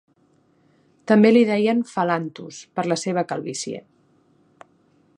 També li deien "Phalanthus", per la seva calvície.